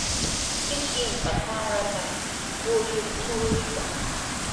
Kikinpa trakrantrawmi akshuta muruykan.